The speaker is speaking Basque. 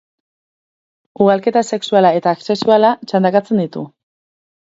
Ugalketa sexuala eta asexuala txandakatzen ditu.